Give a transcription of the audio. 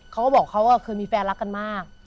เขาก็บอกเขาเคยมีแฟนรักกันมาก